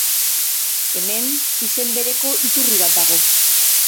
Hemen, izen bereko iturri bat dago.